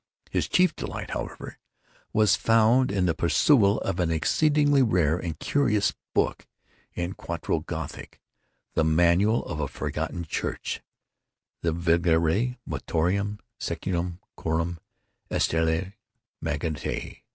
His chief delight, however, was found in the perusal of an exceedingly rare and curious book in quarto Gothic—the manual of a forgotten church—the Vigiliae Mortuorum secundum Chorum Ecclesiae Maguntinae.